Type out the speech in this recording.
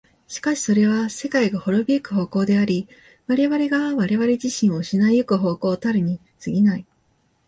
しかしそれは世界が亡び行く方向であり、我々が我々自身を失い行く方向たるに過ぎない。